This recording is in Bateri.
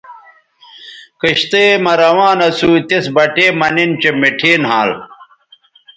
کشتئ مہ روان اسو تس بٹے مہ نِن چہء مٹھے نھال